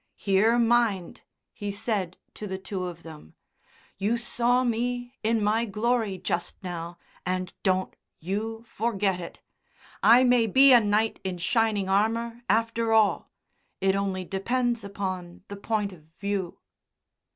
"Here, mind," he said to the two of them, "you saw me in my glory just now and don't you forget it. I may be a knight in shining armour after all. It only depends upon the point of view."